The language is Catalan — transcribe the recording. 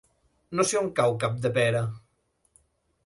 No sé on cau Capdepera.